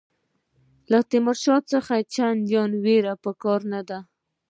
له تیمورشاه څخه چنداني وېره په کار نه ده.